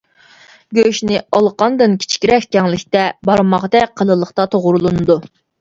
گۆشنى ئالىقاندىن كىچىكرەك كەڭلىكتە، بارماقتەك قېلىنلىقتا توغرىلىنىدۇ.